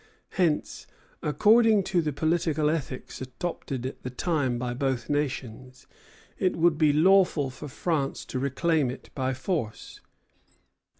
Hence, according to the political ethics adopted at the time by both nations, it would be lawful for France to reclaim it by force.